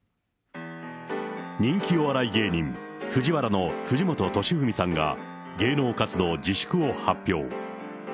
人気お笑い芸人、ＦＵＪＩＷＡＲＡの藤本敏史さんが、芸能活動自粛を発表。